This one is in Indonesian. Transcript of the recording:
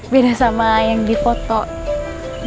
beda sama yang di foto mana ya